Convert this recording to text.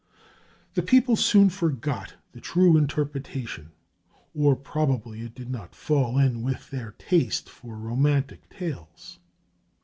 The people soon forgot the true interpretation, or probably it did not fall in with their taste for romantic tales.